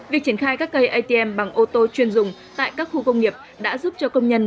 việc triển khai các cây atm bằng ô tô chuyên dùng tại các khu công nghiệp đã giúp cho công nhân